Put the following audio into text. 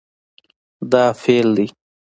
دا فعل دی